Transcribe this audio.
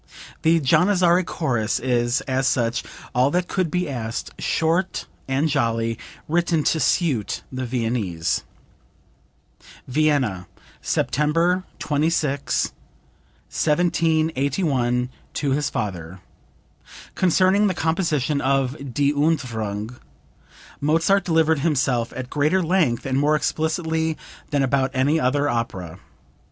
The Janizary chorus is, as such, all that could be asked, short and jolly, written to suit the Viennese." (Vienna, September 26, 1781, to his father. Concerning the composition of "Die Entfuhrung," Mozart delivered himself at greater length and more explicitly than about any other opera.